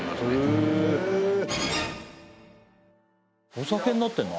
お酒になってるの？